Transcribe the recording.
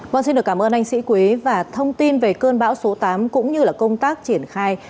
bọn xin được cảm ơn anh sĩ quế và thông tin về cơn bão số tám cũng như công tác triển khai